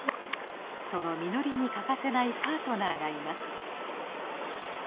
その実りに欠かせないパートナーがいます。